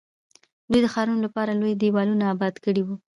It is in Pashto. دوی د ښارونو لپاره لوی دیوالونه اباد کړي وو.